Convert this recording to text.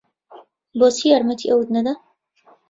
بۆچی یارمەتی ئەوت نەدا؟